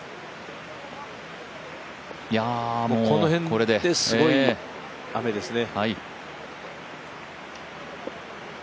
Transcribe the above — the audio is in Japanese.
この辺で、すごい雨ですね。